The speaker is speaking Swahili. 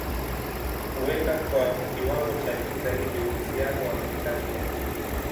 kuweka kwa kiwango cha juu zaidi uhusiano wa kitabia